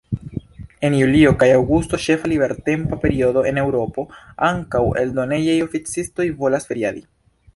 En julio kaj aŭgusto, ĉefa libertempa periodo en Eŭropo, ankaŭ eldonejaj oficistoj volas feriadi.